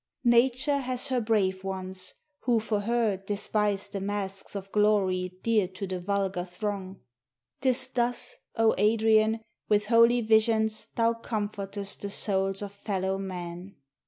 Nature has her brave ones, who for her despise the masks of glory dear to the vulgar throng. 'Tis thus, O Adrian, with holy visions thou comfortest the souls of fellow men.